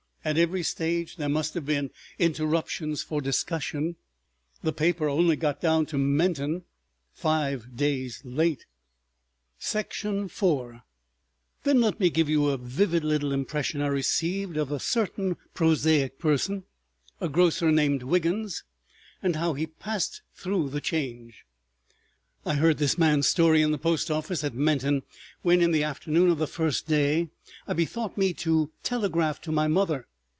At every stage there must have been interruptions for discussion. The paper only got down to Menton five days late. § 4 Then let me give you a vivid little impression I received of a certain prosaic person, a grocer, named Wiggins, and how he passed through the Change. I heard this man's story in the post office at Menton, when, in the afternoon of the First Day, I bethought me to telegraph to my mother.